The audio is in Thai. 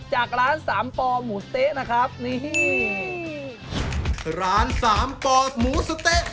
จากร้านสามปอหมูเต๊ะนะครับนี่ร้านสามปอหมูสะเต๊ะ